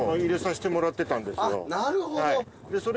なるほど。